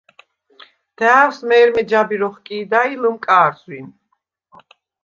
და̄̈ვს მე̄რმე ჯაბირ ოხკი̄და ი ლჷმკა̄რზვინ.